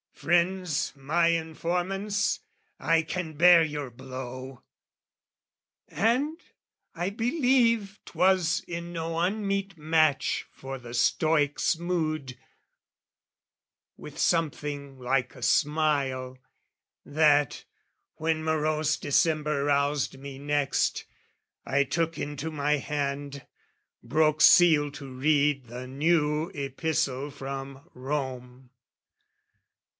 "Friends my informants, I can bear your blow!" And I believe 'twas in no unmeet match For the stoic's mood, with something like a smile, That, when morose December roused me next, I took into my hand, broke seal to read The new epistle from Rome.